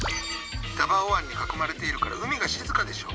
ダバオ湾に囲まれているから海が静かでしょ？